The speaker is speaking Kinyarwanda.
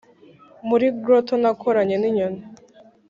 muri grotto nakoranye ninyoni,